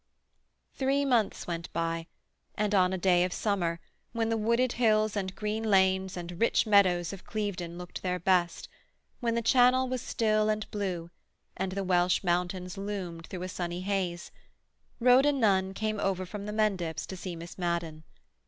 Three months went by, and on a day of summer, when the wooded hills and green lanes and rich meadows of Clevedon looked their best, when the Channel was still and blue, and the Welsh mountains loomed through a sunny haze, Rhoda Nunn came over from the Mendips to see Miss Madden.